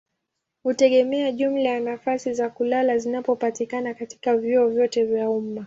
hutegemea jumla ya nafasi za kulala zinazopatikana katika vyuo vyote vya umma.